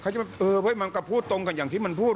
จะบอกมันกะพูดตรงกันอย่างที่มันพูด